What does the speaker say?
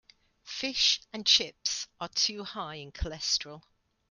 Fish and chips are too high in cholesterol.